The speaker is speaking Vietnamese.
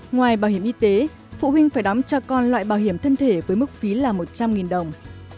ngoài bảo hiểm y tế phụ huynh phải đóng cho con loại bảo hiểm thân thể với mức phí là một trăm linh đồng